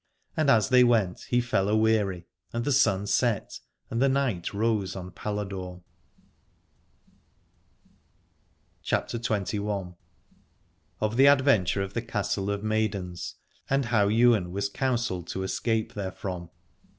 And as they went he fell aweary: and the sun set, and the night rose on Paladore. 129 CHAPTER XXI. OF THE ADVENTURE OF THE CASTLE OF MAIDENS AND HOW YWAIN WAS COUN SELLED TO ESCAPE THEREFROM.